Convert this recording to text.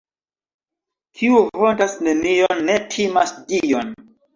Kiu hontas nenion, ne timas Dion.